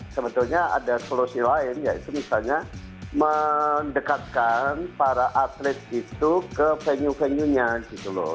sebetulnya ada solusi lain yaitu misalnya mendekatkan para atlet itu ke venue venuenya gitu loh